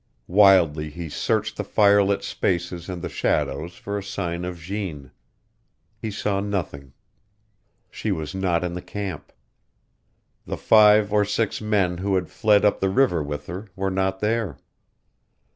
Wildly he searched the firelit spaces and the shadows for a sign of Jeanne. He saw nothing. She was not in the camp. The five or six men who had fled up the river with her were not there.